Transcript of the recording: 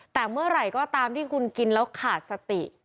แต่เมื่อไหร่ก็ตามที่คุณกินแล้วขาดสติ